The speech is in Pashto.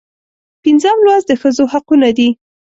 پنځم لوست د ښځو حقونه دي.